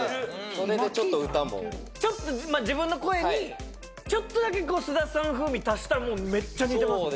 それでちょっと歌もちょっと自分の声にちょっとだけ菅田さん風味足したらもうめっちゃ似てますね